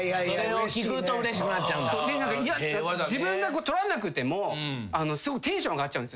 自分が取らなくてもすごいテンション上がっちゃう。